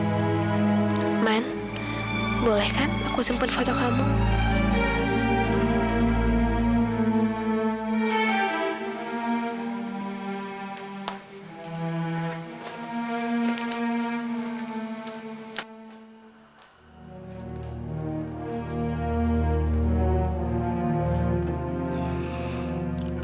boleh kan aku simpen foto kamu